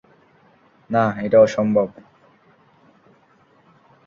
না, এটা অসম্ভব!